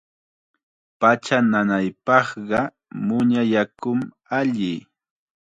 Pacha nanaypaqqa muña yakum alli.